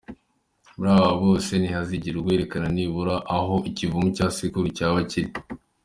Muri aba bose nihazagire uwerekana nibura aho ikivumu cya sekuru cyaba kiri.